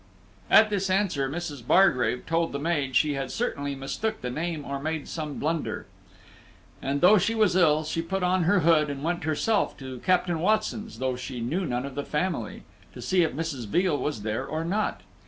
At this answer, Mrs. Bargrave told the maid she had certainly mistook the name or made some blunder. And though she was ill, she put on her hood and went herself to Captain Watson's, though she knew none of the family, to see if Mrs. Veal was there or not.